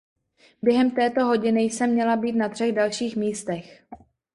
Během této hodiny jsem měla být na třech dalších místech.